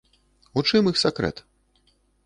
У чым іх сакрэт?